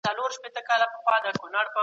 ایا افغان سوداګر جلغوزي ساتي؟